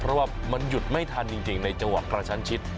เพราะว่ามันหยุดไม่ทันจริงในจังหวะกระชั้นชิด